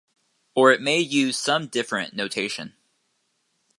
Or it may use some different notation.